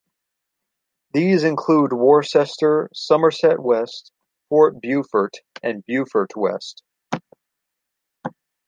These include Worcester, Somerset West, Fort Beaufort and Beaufort West.